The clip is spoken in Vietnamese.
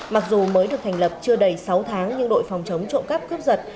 mặc dù mới được thành lập chưa đầy sáu tháng nhưng đội phòng chống trộm cắp cướp giật